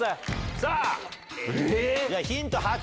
さあ、ヒント８。